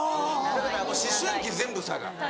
だから思春期全部佐賀。